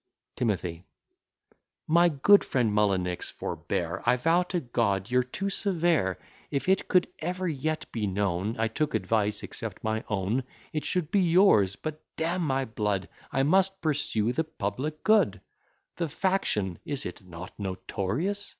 T. My good friend Mullinix, forbear; I vow to G , you're too severe: If it could ever yet be known I took advice, except my own, It should be yours; but, d n my blood! I must pursue the public good: The faction (is it not notorious?)